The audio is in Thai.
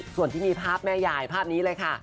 ส่วนที่มีภาพแม่ยายภาพนี้เลยค่ะ